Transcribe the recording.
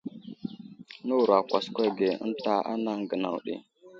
Nəwuro a kwaskwa ge ənta anaŋ gənaw ɗi.